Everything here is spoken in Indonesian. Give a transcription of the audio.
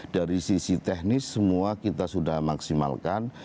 dari sisi teknis semua kita sudah maksimalkan